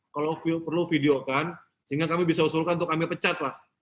kalau perlu videokan sehingga kami bisa usulkan untuk kami pecat lah